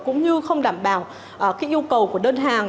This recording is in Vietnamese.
cũng như không đảm bảo yêu cầu của đơn hàng